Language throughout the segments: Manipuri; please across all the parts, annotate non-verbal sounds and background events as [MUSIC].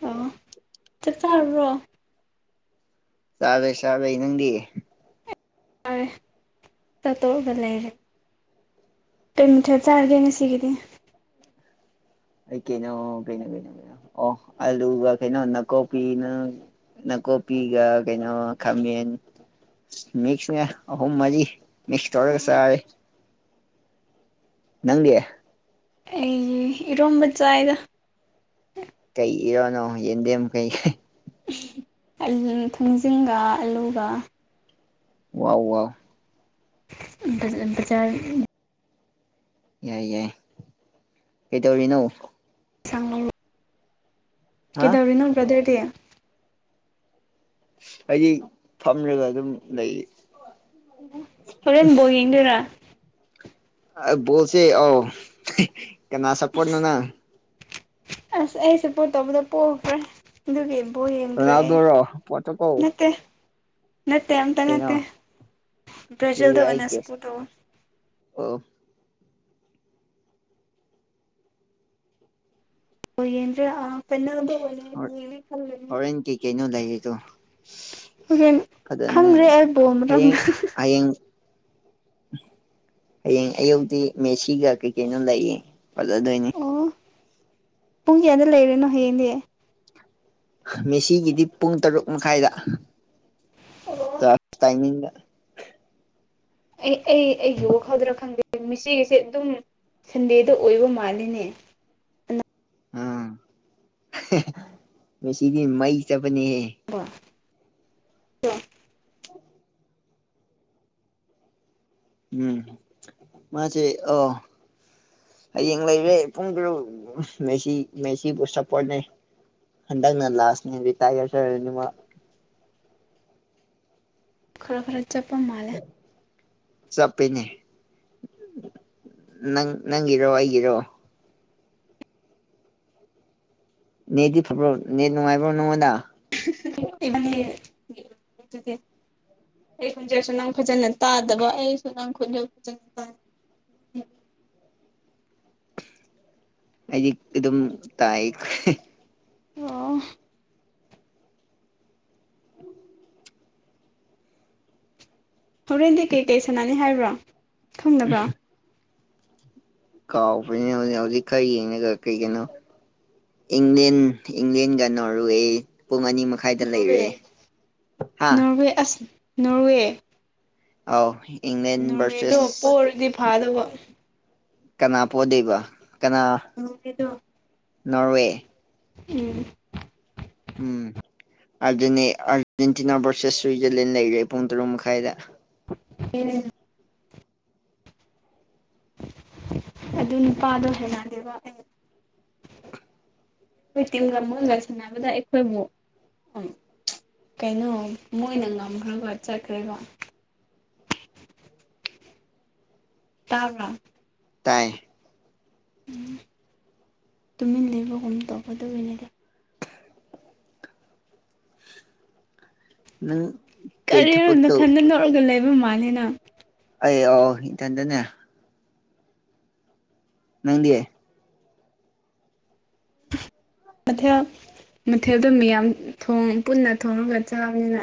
ꯑ ꯆꯞ ꯆꯥꯕ꯭ꯔꯣ ꯆꯥꯕꯩ ꯆꯥꯕꯩ ꯅꯪꯗꯤ ꯍꯦ ꯇꯠꯇꯣꯛꯑꯒ ꯂꯩꯔꯦ ꯀꯩ ꯃꯊꯦꯠ ꯆꯥꯔꯒꯦ ꯉꯁꯤꯒꯤꯗꯤ ꯑꯩ ꯀꯩꯅꯣ ꯀꯩꯅꯣ ꯀꯩꯅꯣ ꯀꯩꯅꯣ ꯑꯣ ꯑꯂꯨꯒ ꯀꯩꯅꯣ ꯅꯥꯀꯣꯄꯤꯅ ꯅꯥꯀꯣꯄꯤꯒ ꯀꯩꯅꯣ ꯈꯥꯃꯦꯟ ꯃꯤꯛꯁꯅꯦ ꯑꯍꯨꯝ ꯃꯔꯤ ꯃꯤꯛꯁ ꯇꯧꯔꯒ ꯑꯣ ꯆꯥꯏ ꯅꯪꯗꯦ ꯑꯩꯖꯤ ꯔꯣꯝꯕ ꯆꯥꯏꯗ ꯀꯩ ꯏꯔꯣꯅꯣ ꯌꯦꯟꯗꯦꯝꯃꯨ ꯀꯩ ꯊꯣꯡꯖꯤꯡꯒ ꯑꯂꯨꯒ ꯋꯥꯎ ꯋꯥꯎ [UNINTELLIGIBLE] ꯌꯥꯏ ꯌꯥꯏ ꯀꯩꯗꯧꯔꯤꯅꫭ [UNINTELLIGIBLE] ꯍꯥ ꯀꯩꯗꯧꯔꯤꯅꯣ ꯕ꯭ꯔꯗ꯭ꯔꯗꯤ ꯑꯩꯗꯤ ꯐꯝꯂꯒ ꯑꯗꯨꯝ ꯂꯩꯔꯤ ꯍꯣꯔꯦꯟ ꯕꫭꯜ ꯌꯦꯡꯗꯨꯔꯥ ꯑ ꯕꫭꯜꯁꯦ ꯑꯣ ꯀꯅꯥ ꯁꯄꯣꯠ ꯅꯅ ꯑꯁ ꯑꯩꯁꯄꯣꯠ ꯇꯧꯕꯗꫭ ꯄꯣꯈ꯭ꯔꯦ ꯑꯗꯨꯒꯤꯕꯣꯜ ꯌꯦꯡꯗ꯭ꯔꯦ ꯔꯣꯅꯥꯜꯗꯣꯔꯣ ꯄꯣꯔꯇꯨꯒꯜ ꯅꯥꯠꯇꯦ ꯅꯠꯇꯦ ꯑꯝꯇ ꯀꯩꯅꯣ ꯅꯠꯇꯦ ꯕ꯭ꯔꯖꯜꯗꯟꯅ ꯁꯄꯨꯗꯧꯕ ꯑ ꯍ ꯌꯦ ꯑ ꯐꯟꯅꯅꯦ ꯈꯜꯂ ꯍꯣꯔꯦꯟ ꯀꯩ ꯀꯩꯅꯣ ꯂꯩꯔꯤꯗꯣ [UNINTELLIGIBLE] ꯍꯣꯔꯦꯟ ꯐꯖꯅ ꯈꯪꯗ꯭ꯔꯦ ꯑꯩ ꯕꯣꯜꯃꯔꯝ ꯍꯌꯦꯡ ꯍꯌꯦꯡ ꯍꯌꯦꯡ ꯑꯌꯨꯛꯇꯤ ꯃꯦꯁꯤꯒ ꯀꯩ ꯀꯩꯅꯣ ꯂꯥꯛꯏ ꯐꯖꯗꯣꯏꯅꯤ ꯑꯣ ꯄꯨꯡ ꯀꯌꯥꯗ ꯂꯩꯔꯦꯅꯣ ꯍꯌꯦꯡꯗꯤ ꯃꯦꯁꯤꯒꯤꯗꯤ ꯄꯨꯡ ꯇꯔꯨꯛ ꯃꯈꯥꯏꯗ ꯇꯥꯏꯃꯤꯡꯗ ꯑꯩ ꯑꯩ ꯑꯩꯒꯤ ꯋꯥꯈꯥꯎꯗꯔ ꯈꯪꯗꯦ ꯃꯦꯆꯦꯒꯤꯁꯦ ꯑꯗꯨꯝ ꯁꯟꯗꯦꯗ ꯑꯣꯏꯕ ꯃꯥꯜꯂꯤꯅꯦ ꯑꯥ ꯃꯦꯁꯤꯗꯤ ꯃꯩ ꯆꯠꯄꯅꯦꯍꯦ ꯕꯥ ꯎꯝ ꯃꯥꯁꯦ ꯑꫭ ꯍꯌꯦꯡ ꯂꯩꯔꯦ ꯄꯨꯡ ꯇꯔꯨꯛ ꯃꯦꯁꯤ ꯃꯦꯁꯤꯕꯨ ꯁꯄꯣꯠꯅꯦ ꯍꯟꯗꯅ ꯂꯁꯅꯦ ꯔꯤꯇꯌꯥꯔ ꯆꯠꯂꯅꯤ ꯃꯥ ꯈꯔ ꯈꯔ ꯆꯠꯄ ꯃꯥꯜꯂꯦ ꯆꯞꯄꯦꯅꯦ ꯅꯪꯒꯤꯔꯣ ꯑꯩꯒꯤꯔꯣ ꯅꯦꯗꯤ ꯐꯕ꯭ꯔꯣ ꯅꯦꯠ ꯅꯨꯡꯉꯥꯏꯕ꯭ꯔꯣ ꯅꯉꯣꯟꯗ [INAUDIBLE] ꯑꯩ ꯈꯣꯟꯖꯦꯛꯁꯨ ꯅꯪ ꯐꯖꯅ ꯇꯥꯗꯕ ꯑꯩꯁꯨ ꯅꯪ ꯈꯖꯦꯛ ꯐꯖꯅ ꯇꯥ ꯑꯩꯗꯤ ꯑꯗꯨꯝ ꯇꯥꯏ ꯀ ꯑꯣ ꯇ ꯍꯣꯔꯦꯟꯗꯤ ꯀꯩꯀꯩ ꯁꯥꯟꯅꯥꯅꯤ ꯍꯥꯏꯕ꯭ꯔꯣ ꯈꯪꯗꯕꯔꯣ ꯀꯥꯎꯕꯅꯦ ꯍꯧꯖꯤꯛ ꯍꯧꯖꯤꯛ ꯈꯔ ꯌꯦꯡꯉꯒ ꯀꯩꯒꯤꯅꯣ ꯏꯪꯂꯦꯟ ꯏꯪ꯭ꯂꯦꯟꯒ ꯅꯣꯔ ꯑꯦ ꯄꯨꯡ ꯑꯅꯤꯃꯛ ꯅꯣꯔꯋꯦ ꯅꯣꯔꯋꯦ ꯑꯁ ꯅꯣꯔꯋꯦ ꯑꯥꯎ ꯏꯪ ꯅꫭꯔꯋꯦꯗꫭ ꯄꫭꯔꯗꯤ ꯐꯥꯗꯧꯕ ꯀꯅꯥ ꯄꯣꯗꯦꯕꯣ ꯀꯅꯥ ꯎꯕꯤꯗꯣ ꯅꯣꯔꯋꯦ ꯎꯝ ꯎꯝ ꯑꯗꯨꯅꯤ ꯑꯥꯔꯖꯦꯟꯇꯤꯅꯥ ꯚꯔꯁꯦꯁ ꯁ꯭ꯋꯤꯖꯔꯂꯦꯟ ꯂꯩꯔꯦ ꯄꯨꯡ ꯇꯔꯨꯛ ꯃꯈꯥꯏꯗ ꯎꯝ ꯑꯗꯨ ꯅꯨꯄꯥꯗꯣ ꯍꯦꯟꯅꯗꯦꯕ ꯑꯩ ꯑꯩꯈꯣꯏ ꯇꯤꯝꯒ ꯃꯨꯣꯟꯒ ꯁꯥꯟꯅꯕꯗ ꯑꯩꯈꯣꯏꯃꯨꯛ ꯀꯩꯅꯣ ꯃꯣꯏꯅ ꯉꯝꯈ꯭ꯔꯕ ꯆꯠꯈ꯭ꯔꯦꯀꯣ ꯇꯥꯕ꯭ꯔꯣ ꯇꯥꯏ ꯎꯝ ꯇꯨꯃꯤꯟ ꯂꯩꯕꯒꯨꯝ ꯇꯧꯒꯗ ꯑꯣꯏꯅꯗꯤ ꯅꯪ ꯀꯩ ꯀꯔꯤꯔ ꯊꯕꯛ ꯇꯧ ꯅꯊꯟꯗ ꯅꯣꯛꯔꯒ ꯂꯩꯕ ꯃꯥꯜꯂꯤ ꯅꯪ ꯑꯩ ꯑꯣ ꯏꯊꯥꯟꯇꯅꯦ ꯅꯪꯗꯤꯌꯦ ꯃꯊꯦꯜ ꯃꯊꯦꯜꯗꯨ ꯃꯌꯥꯝ ꯄꯨꯟꯅ ꯊꯣꯡꯉꯒ ꯆꯥꯕꯅꯤꯅ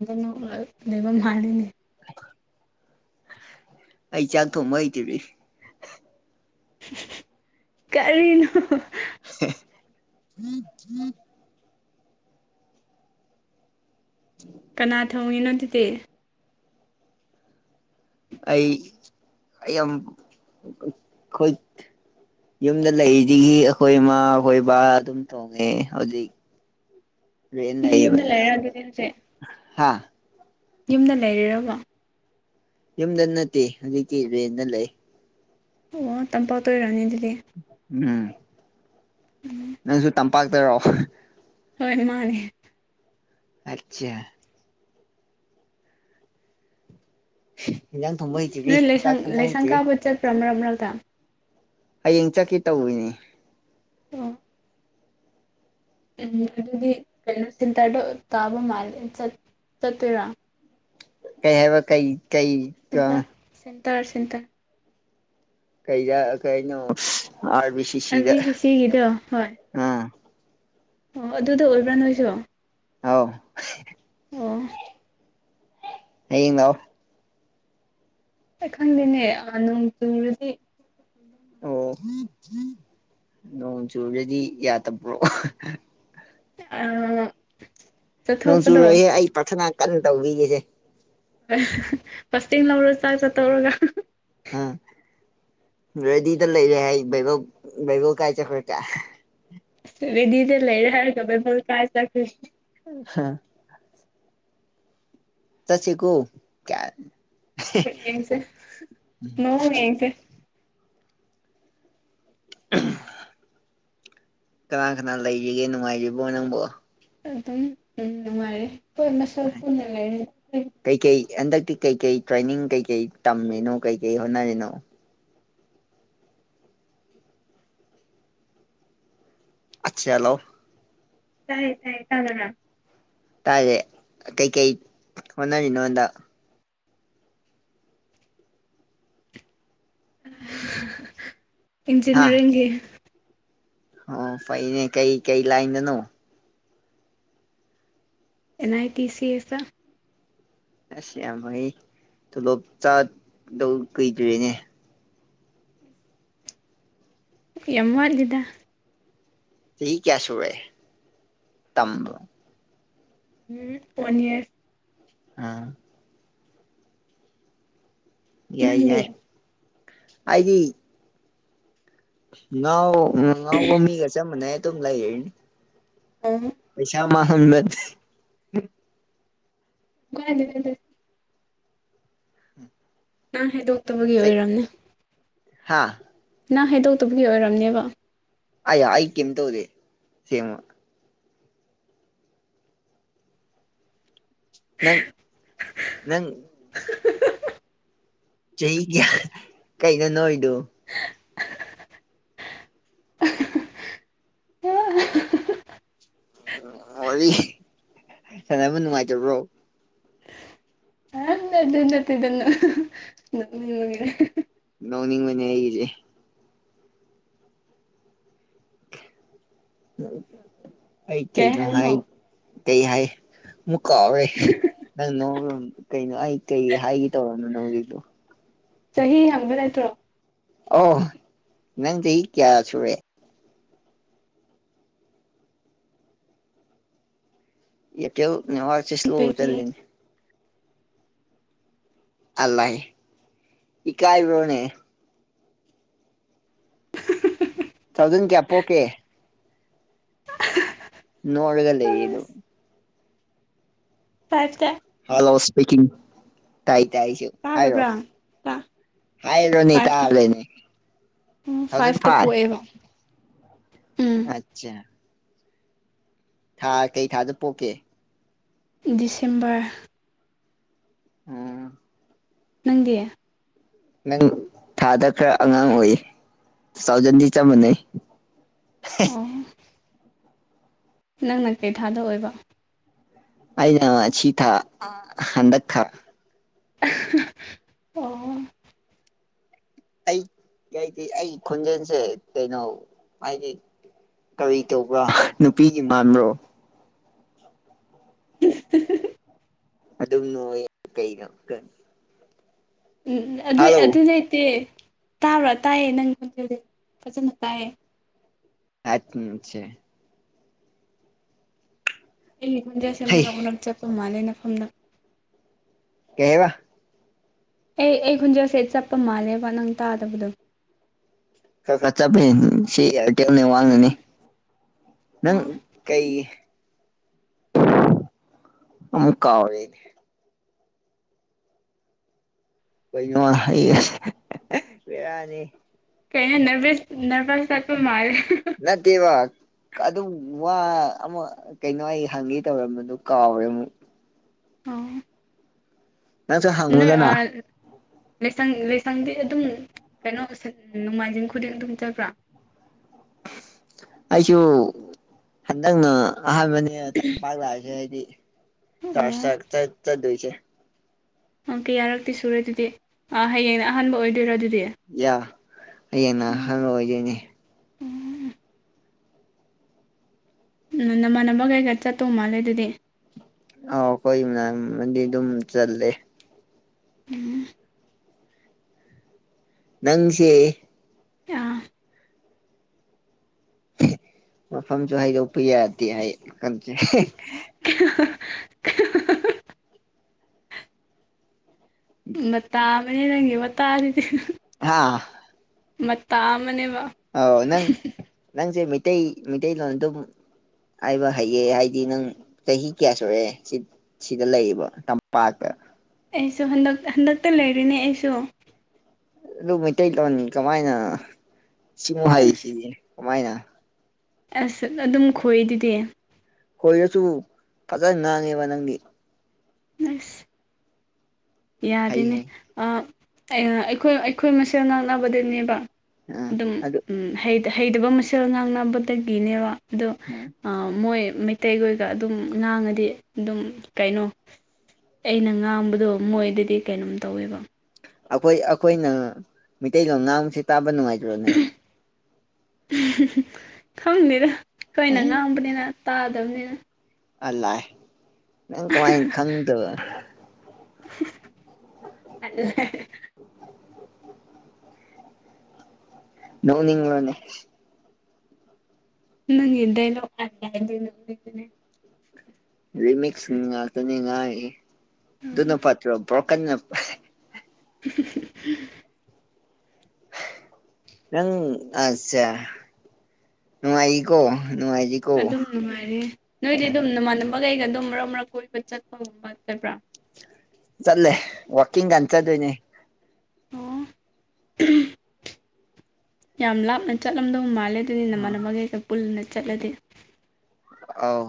ꯑꯗꯨꯅ ꯂꯩꯐꯝ ꯍꯥꯏꯔꯤꯅꯦ ꯑꯩ ꯆꯥꯛ ꯊꯣꯡꯕ ꯍꯩꯇꯕꯤ ꯀꯔꯤꯅꯣ [UNINTELLIGIBLE] ꯀꯅꯥ ꯊꯧꯉꯤꯅꯣ ꯑꯗꯨꯗꯤ ꯑꯩ ꯑꯩ ꯌꯥꯝ ꯈꯨꯠ ꯌꯨꯝꯗ ꯂꯩꯔꯤꯉꯩꯗꯒꯤ ꯑꯩꯈꯣꯏ ꯏꯃꯥ ꯑꯩꯈꯣꯏ ꯕꯕꯥ ꯑꯗꯨꯝ ꯇꯣꯡꯉꯦ ꯍꯧꯖꯤꯛ [INAUDIBLE] ꯔꯦꯟ ꯅꯪ ꯌꯨꯝꯗ ꯂꯩꯕꯅꯤꯅ ꯂꯩꯔꯛꯑꯒꯦꯗꯤ ꯍꯧꯖꯤꯛ ꯍꯥ ꯌꯨꯝꯗ ꯂꯩꯔꯤꯔꯕꯣ ꯌꯨꯝꯗ ꯅꯠꯇꯦ ꯍꯧꯖꯤꯛꯇꯤ ꯔꯦꯟꯗ ꯂꯩ ꯑꯣ ꯇꯝꯄꯥꯎ ꯇꯣꯏꯔꯅꯤ ꯑꯗꯨꯗꯤ ꯎꯝ ꯅꯪꯁꯨ ꯇꯝꯄꯥꯛꯇꯔꯣ ꯍꯣꯏ ꯃꯥꯅꯦ ꯑꯆꯥ ꯏꯟꯖꯥꯡ ꯊꯨꯝꯝꯕ ꯍꯣꯏꯇꯣꯏꯕꯤ ꯆꯥꯛ ꯊꯨꯝꯕ ꯍꯣꯏꯇꯔꯤ ꯃꯔꯛ ꯃꯔꯛ ꯃꯔꯒꯇ ꯍꯌꯦꯡ ꯆꯠꯀꯦ ꯇꯧꯔꯤꯅꯤ ꯑꯣ ꯎꯝ ꯑꯗꯨꯗꯤ ꯀꯩꯅꯣ ꯁꯤꯟꯇꯔꯗꯣ ꯇꯥꯕ ꯃꯥꯜꯂꯦ ꯆꯠ ꯆꯠꯇꯣꯏꯔꯥ ꯀꯩ ꯍꯥꯏꯕ ꯀꯩ ꯀꯩ ꯁꯦꯟꯇꯔ ꯁꯦꯟꯇꯥꯔ ꯁꯦꯟꯇꯥꯔ ꯀꯩꯗ ꯀꯩꯩꯅꯣ ꯍꯥꯢꯕꯁꯤ ꯑꯗꯨꯗꯤ ꯆꯤꯆꯦꯒꯤꯗꯣ ꯍꯣꯢ ꯑꯥ ꯑꯣ ꯑꯗꯨꯗ ꯑꯣꯏꯕ꯭ꯔꯥ ꯅꯣꯏꯁꯨ ꯍꯥꯎ ꯑꯣ ꯍꯥꯌꯦꯡ ꯂꯥꯛ ꯑꯣ ꯑꯩ ꯈꯪꯗꯦꯅꯦ ꯅꯣꯡ ꯆꯨꯔꯗꯤ ꯑꯣ ꯅꯣꯡ ꯆꯨꯨꯔꯗꯤ ꯌꯥꯗꯕ꯭ꯔꯣ ꯑꯥ ꯅꯣꯡ ꯆꯨꯨꯔꯣꯏꯌꯦ ꯑꯩ ꯄ꯭ꯔꯔꯊꯅꯥ ꯀꯟꯅ ꯇꯧꯕꯤꯒꯦꯁꯦ [UNINTELLIGIBLE] ꯐꯁꯇꯦꯡ ꯂꯧꯔꯣ ꯆꯥꯛ ꯆꯥ ꯇꯣꯛꯔꯒ ꯎꯝ ꯔꯦꯗꯤꯗ ꯂꯩꯔꯦ ꯍꯥꯏ ꯕꯥꯢꯕꯜ ꯕꯥꯢꯕꯜ ꯀꯥꯏ ꯆꯈ꯭ꯔ ꯖ ꯔꯦꯗꯤꯗ ꯂꯩꯔꯦ ꯍꯥꯢꯔꯒ ꯕꯥꯢꯕꯜ ꯀꯥꯏ ꯆꯠ ꯍꯥ ꯆꯠꯁꯦꯀꯣ ꯀꯌꯥ ꯌꯦꯡꯁꯦ ꯃꯑꯣꯡ ꯌꯦꯡꯁꯦ [UNINTELLIGIBLE] ꯀꯅꯥ ꯀꯅꯥ ꯂꯩꯔꯤꯒꯦ ꯅꯨꯡꯉꯥꯏꯔꯤꯕꯣ ꯅꯪꯕꯣ ꯑꯗꯨꯝ ꯅꯨꯉꯥꯏꯔꯤ ꯈꯣꯢ ꯃꯁꯦꯜ ꯄꯨꯟꯅ ꯂꯩꯔꯦ ꯀꯩꯀꯩ ꯍꯟꯗꯛꯇꯤ ꯀꯩꯀꯩ ꯇ꯭ꯔꯦꯅꯤꯡ ꯀꯩꯀꯩ ꯇꯝꯃꯤꯅꯣ ꯀꯩꯀꯩ ꯍꯣꯠꯅꯔꯤꯅꯣ [UNINTELLIGIBLE] ꯇꯥꯌꯦ ꯇꯥꯌꯦ ꯇꯥꯗꯕ꯭ꯔꯥ ꯇꯥꯌꯦ ꯀꯩ ꯀꯩ ꯍꯣꯅꯔꯤꯅꯣꯟꯗ ꯍꯥ ꯏꯟꯖꯤꯅꯤꯌꯥꯔꯤꯡꯒꯤ ꯑꯣ ꯐꯩꯅꯦ ꯀꯩ ꯀꯩ ꯂꯥꯏꯅꯣ and I T C S ꯑꯁ ꯌꯥꯝ ꯐꯩ ꯇꯣꯂꯣꯞ ꯆꯥꯗꯧ ꯀꯨꯏꯗ꯭ꯔꯦꯅꯦ ꯌꯥꯝ ꯋꯥꯠꯂꯤꯗ ꯆꯍꯤ ꯀꯌꯥ ꯁꯨꯔꯦ ꯇꯝꯕ ꯎꯝ ꯋꯥꯟ ꯌꯔ ꯑꯥ ꯌꯥꯏ ꯅꯪꯗꯤ ꯌꯥꯏ ꯑꯩꯗꯤ ꯉꯥꯎ ꯉꯎꯒꯃꯤ ꯆꯞ ꯃꯥꯅꯦ ꯑꯗꯨꯝ ꯂꯩꯔꯤ ꯎꯝ ꯄꯩꯁꯥ ꯃꯥꯡꯍꯟꯕ [UNINTELLIGIBLE] ꯅꯪ ꯍꯥꯏꯗꯣꯛꯇꯕꯒꯤ ꯑꯣꯏꯔꯝꯅꯦ ꯍꯥꯥ ꯅꯪ ꯍꯥꯏꯗꯣꯛꯇꯕꯒꯤ ꯑꯣꯏꯔꯝꯅꯦꯕ ꯑꯌꯥ ꯑꯩ ꯀꯩꯝ ꯇꯧꯗꯦ ꯊꯦꯡ ꯅꯪ ꯅꯪ ꯆꯍꯤ ꯀꯌꯥ ꯀꯩꯅꯣ ꯅꯣꯏꯗꯨ ꯎꯝ ꯋꯥꯔꯤ ꯁꯅꯕ ꯅꯨꯡꯉꯥꯏꯇꯕ꯭ꯔꯣ ꯑꯗꯨ ꯅꯇꯦꯗꯅ ꯅꯣꯛꯅꯤꯡꯕꯒꯤ ꯅꯧꯅꯤꯡ ꯃꯅꯦ ꯑꯩꯒꯤꯗꯤ ꯑꯩ ꯀꯩ ꯀꯩꯩꯅꯣ ꯍꯥꯏ ꯍꯥꯏꯕꯅꯣ ꯀꯩ ꯍꯥꯏ ꯑꯃꯨꯛ ꯀꯥꯎꯔꯦ ꯅꯪ ꯅ ꯀꯩꯅꯣ ꯑꯩ ꯀꯩ ꯍꯥꯏꯒꯦ ꯇꯧꯔꯕꯅꯣ ꯅꯪ ꯍꯧꯖꯤꯛꯇꯣ ꯆꯍꯤ ꯍꯪꯕ ꯅꯠꯇ꯭ꯔꯣ ꯑꯣ ꯅꯪ ꯆꯍꯤ ꯀꯌꯥꯁꯨꯔꯦ ꯑꯦꯌꯔꯇꯦꯜ ꯅꯦꯠꯋꯥꯛꯁꯦ ꯏꯁꯂꯣ ꯇ꯭ꯋꯦꯟꯇꯤ ꯆꯜꯅꯤꯅꯦ ꯑꯂꯥꯏ ꯏꯀꯥꯏꯕꯣꯅꯦ [UNINTELLIGIBLE] ꯇꯨꯊꯥꯎꯖꯟ ꯀꯌꯥ ꯄꯣꯛꯀꯦ [UNINTELLIGIBLE] ꯅꯣꯛꯔꯒꯥ ꯂꯩꯒꯤꯅꯨ ꯑꯁ ꯐꯥꯏꯚꯇ ꯍꯂꯣ ꯏꯁꯄꯤꯀꯤꯡ ꯇꯥꯏ ꯇꯥꯏ ꯍꯥꯏꯔꯣ ꯇꯥꯗꯕ꯭ꯔꯥ ꯍꯥꯏꯔꯣꯅꯦ ꯐꯥꯏꯚꯇ ꯇꯥꯔꯦꯅꯦ ꯎꯝ ꯐꯥꯏꯚꯇ ꯄꯣꯛꯑꯦꯕ ꯎꯝ [UNINTELLIGIBLE] ꯊꯥ ꯀꯩ ꯊꯥꯗ ꯄꯣꯛꯀꯦ ꯗꯤꯁꯦꯝꯕꯔ ꯎꯝ ꯅꯪꯗꯤ ꯅꯪ ꯊꯥꯗ ꯈꯔ ꯑꯉꯥꯡ ꯑꯣꯏꯌꯦ ꯇꯨꯊꯥꯎꯖꯟꯗꯤ ꯆꯞ ꯃꯥꯟꯅꯩ [UNINTELLIGIBLE] ꯑꯣ ꯅꯪꯅ ꯀꯩ ꯊꯥꯗ ꯑꯣꯏꯕ ꯑꯩꯅ ꯁꯤꯊꯥ ꯍꯟꯗꯛ ꯊꯥ [UNINTELLIGIBLE] ꯑꯣ ꯑꯩ ꯀꯩꯒꯤ ꯑꯩ ꯈꯣꯟꯖꯦꯜꯁꯦ ꯀꯩꯅꯣ ꯍꯥꯏꯗꯤ ꯀꯔꯤ ꯇꯧꯕ꯭ꯔꯥ ꯅꯨꯄꯤꯒꯤ ꯃꯥꯟꯕ꯭ꯔꯣ [UNINTELLIGIBLE] ꯑꯗꯨꯝ ꯅꯣꯛꯏ ꯀꯩꯩꯅꯣ ꯀꯥ ꯎꯝ ꯑꯗꯨ ꯑꯗꯨ ꯂꯩꯇꯦ ꯇꯥꯕ꯭ꯔꯥ ꯇꯥꯏꯌꯦ ꯅꯪ ꯈꯣꯟꯖꯦꯜꯁꯦ ꯐꯖꯅ ꯇꯥꯏꯌꯦ [UNINTELLIGIBLE] ꯑꯩ ꯈꯨꯟꯖꯦꯟꯁꯦ ꯀꯩ ꯃꯔꯛ ꯃꯔꯛ ꯆꯠꯄ ꯃꯥꯜꯂꯦ ꯅꯐꯝꯗ ꯀꯩꯕ ꯑꯦ ꯑꯩ ꯈꯨꯟꯖꯥꯁꯦ ꯆꯠꯄ ꯃꯥꯜꯂꯦꯕ ꯅꯪ ꯇꯥꯗꯕꯗꯣ ꯈꯔꯥ ꯈꯔꯥ ꯆꯞꯄꯦ ꯁꯤ ꯑꯦꯔꯇꯦꯜ ꯅꯦꯠꯋꯥꯛꯅꯥꯅꯤ ꯅꯪ ꯑꯣ ꯀꯩ ꯑꯃꯨꯛ ꯀꯥꯎꯔꯦ ꯑꯩꯗꯤ ꯀꯩꯅꯣ [UNINTELLIGIBLE] ꯕꯦꯔꯥꯅꯤ ꯀꯩꯅꯣ ꯅꯔꯚꯔꯦꯁ ꯅꯔꯚꯁ ꯆꯠꯄ ꯃꯥꯜꯂꯦ ꯅꯠꯇꯦꯕꯥ ꯑꯗꯨꯝ ꯋꯥ ꯑꯃ ꯀꯩꯅꯣ ꯑꯩ ꯍꯪꯉꯦ ꯇꯧꯔꯝꯕꯗꯨ ꯀꯥꯎꯔꯦ ꯑꯃꯨꯛ ꯑꯣ ꯅꯪꯁꯨ ꯅꯣꯏ ꯍꯪꯉꯨꯗꯅ ꯑꯥ ꯂꯥꯏꯁꯪ ꯂꯥꯏꯁꯪꯗꯤ ꯑꯗꯨꯝ ꯀꯩꯅꯣ ꯅꯣꯡꯃꯥꯏꯖꯤꯡ ꯈꯨꯗꯤꯡ ꯑꯗꯨꯝ ꯆꯠꯄ꯭ꯔꯥ ꯑꯩꯁꯨ ꯍꯟꯗꯛꯅ ꯑꯍꯥꯟꯕꯅꯦ [UNINTELLIGIBLE] [UNINTELLIGIBLE] ꯑꯩꯗꯤꯆꯔꯁ ꯆꯛ ꯆꯠ ꯆꯠꯂꯨꯏꯁꯦ ꯑꯣ ꯀꯌꯥꯔꯛꯇꯤ ꯁꯨꯔꯦ ꯑꯗꯨꯗꯤ ꯑꯥ ꯍꯌꯦꯡꯅ ꯑꯍꯥꯟꯕ ꯑꯣꯏꯗꯣꯏꯔꯣ ꯑꯗꯨꯗꯤ ꯌꯥ ꯍꯌꯦꯡꯅ ꯑꯍꯥꯟꯕ ꯑꫭꯏꯗꫭꯏꯅꯦ ꯎꯝ ꯅꯃꯥꯟꯅꯕ ꯀꯩꯒ ꯆꯠꯇꯧ ꯃꯥꯜꯂꯦ ꯑꯗꯨꯗꯤ ꯑꯥꯎ ꯍꯣꯏ [UNINTELLIGIBLE] ꯑꯗꯨꯝ ꯆꯠꯂꯦ ꯎ [UNINTELLIGIBLE] ꯅꯪꯁꯦ ꯑ [UNINTELLIGIBLE] ꯃꯐꯝꯐꯝꯁꯨ ꯍꯥꯏꯗ ꯎ ꯄ ꯌꯥ ꯍꯥꯏ ꯀ [UNINTELLIGIBLE] ꯃꯇꯥ ꯑꯃꯅꯦ ꯅꯪꯒꯤ ꯋꯥꯇꯥꯗꯨꯗꯤ ꯍꯥꯥ ꯃꯥ ꯃꯅꯦ ꯋꯥ ꯑ ꯅꯪ ꯅꯪꯁꯦ ꯃꯤꯇꯩꯩ ꯃꯤꯇꯩꯩꯂꯣꯟ ꯑꯗꯨꯝ ꯍꯥꯏꯕ ꯍꯩꯌꯦ ꯍꯥꯏꯗꯤ ꯅꯪ ꯆꯍꯤ ꯀꯌꯥ ꯁꯨꯔꯛꯑꯦ ꯁꯤ ꯁꯤꯗ ꯂꯩꯌꯦꯕ ꯇꯝꯄꯥꯛꯇ ꯑꯩꯁꯨ ꯍꯟꯗꯛ ꯍꯟꯗꯛꯇ ꯂꯩꯔꯤꯅꯦ ꯑꯩꯁꯨ ꯑꯗꯨ ꯃꯩꯇꯩꯂꯣꯟꯅꯤ ꯀꯃꯥꯏꯅ ꯁꯤꯃꯨ ꯑꯁ ꯍꯥꯏꯁꯤꯗꯤ ꯀꯃꯥꯏꯅ ꯑꯁ ꯑꯗꯨꯝ ꯈꯣꯏꯗꯨꯗꯤ ꯈꯣꯏꯔꯁꯨ ꯐꯖꯅ ꯉꯥꯡꯉꯦꯕ ꯅꯪꯗꯤ ꯁ [UNINTELLIGIBLE] ꯍꯩ ꯌꯥꯗꯅꯦ ꯍꯩ ꯑꯥꯥ ꯑꯩꯈꯣꯏ ꯑꯩꯈꯣꯏ ꯃꯁꯦꯜ ꯉꯥꯡꯅꯕꯗꯅꯦꯕ ꯑꯥ ꯑꯗꯨꯝ ꯑꯗꯨ ꯎꯝ ꯍꯩꯇꯕ ꯃꯁꯦꯜ ꯉꯥꯡꯅꯕꯗꯒꯤꯅꯦꯕ ꯑꯗꯣ ꯎꯝ ꯃꯣꯏ ꯃꯩꯇꯩꯈꯣꯏꯒ ꯑꯗꯨꯝ ꯉꯥꯡꯉꯗꯤ ꯑꯗꯨꯝ ꯀꯩꯅꯣ ꯑꯩꯅ ꯉꯥꯡꯕꯗꯣ ꯃꯣꯏꯗꯗꯤ ꯀꯩꯅꯣꯝ ꯇꯧꯋꯦꯕ ꯑꯩꯈꯣꯏ ꯑꯩꯈꯣꯏꯅ ꯃꯤꯇꯩꯩꯇꯩꯂꯣꯟ ꯉꯥꯡꯁꯦ ꯇꯥꯕ ꯅꯨꯡꯉꯥꯏꯇ꯭ꯔꯣꯅꯦ ꯈꯪꯗꯦꯗ ꯑꯩꯈꫭꯏꯅ ꯑꯦ ꯉꯥꯡꯕꯅꯤꯅ ꯇꯥꯗꯕꯅꯤꯅ ꯑꯜ ꯅꯪ ꯀꯃꯥꯏ ꯈꯪꯗꯕ ꯑꯂ [UNINTELLIGIBLE] ꯅꯧꯅꯤꯂꯣꯅꯦ ꯪꯅꯪꯒꯤꯗꯩ ꯂꯧ ꯂꯥꯛꯑ ꯍꯥꯏꯗꫭꯏꯅꯦꯕ ꯑꯗꯨꯒꯤꯅꯦ ꯔꯤꯃꯤꯛꯁ ꯉꯇꯅꯤ ꯉꯥꯏ ꯑꯗꯨꯅ ꯐꯠꯇ꯭ꯔꯣ ꯕ꯭ꯔꯣꯀꯟ ꯁꯤꯁꯤ [UNINTELLIGIBLE] ꯅꯪ ꯑꯠꯆꯥ ꯅꯨꯡꯉꯥꯏꯔꯤꯀꯣ ꯅꯨꯡꯉꯥꯏ ꯑꯗꯨꯝ ꯅꯨꯡꯉꯥꯏꯔꯦ ꯅꯣꯏꯗꯤ ꯑꯗꯨꯝ ꯅꯃꯥꯟꯅꯕꯈꯩꯒ ꯑꯗꯨꯝ ꯃꯔꯛ ꯃꯔꯛ ꯀꯣꯏꯕ ꯆꯠꯄꯒꯨꯝꯕ ꯅꯠꯇꯕ꯭ꯔꯥ ꯆꯠꯂꯦ ꯋꯥꯀꯤꯡ ꯒꯟ ꯆꯠꯇꫭꯏꯅꯦ ꯑꯣ ꯌꯥꯝ ꯂꯥꯞꯅ ꯆꯠꯂꯝꯗꯧ ꯃꯥꯜꯂꯦ ꯑꯗꯨꯗꯤ ꯅꯃꯥꯟꯅꯕꯒꯩꯀ ꯄꯨꯜꯅ ꯆꯠꯂꯗꯤ ꯑꯥꯎ